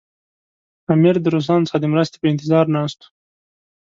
امیر د روسانو څخه د مرستې په انتظار ناست وو.